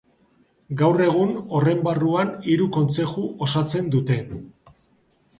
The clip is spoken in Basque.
Gaur egun horren barruan hiru kontzeju osatzen dute.